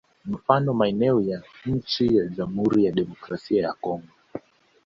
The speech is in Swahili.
Mfano maeneo ya nchi za Jamhuri ya Kidemokrasia ya Congo